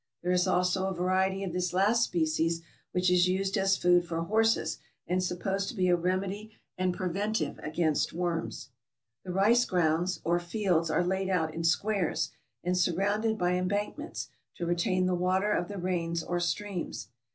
There is also a variety of this last species which is used as food for horses, and supposed to be a remedy and preventive against worms. The rice grounds or fields are laid out in squares, and surrounded by embankments, to retain the water of the rains or streams.